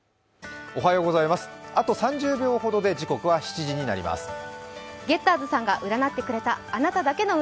あと３０秒ほどで時刻は７時になります。